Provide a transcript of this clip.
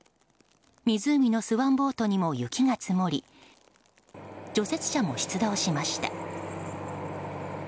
湖のスワンボートにも雪が積もり除雪車も出動しました。